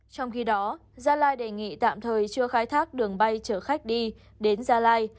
trong khi đó gia lai đề nghị tạm thời chưa khai thác đường bay chở khách đi đến gia lai